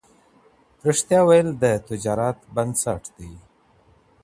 رښتيا ويل د تجارت بنسټ دی.